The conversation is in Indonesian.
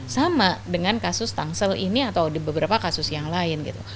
sama dengan kasus tangsel ini atau di beberapa kasus yang lain gitu